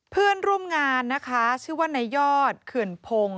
เพื่อนร่วมงานนะคะชื่อว่านายยอดเขื่อนพงศ์